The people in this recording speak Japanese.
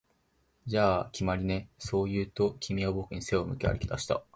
「じゃあ、決まりね」、そう言うと、君は僕に背を向け歩き出した